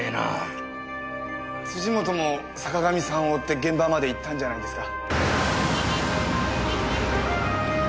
本も坂上さんを追って現場まで行ったんじゃないですか？